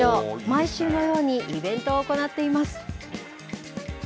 毎週のようにイベントを行っています。